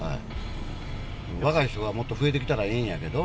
若い人がもっと増えてきたらええんやけど。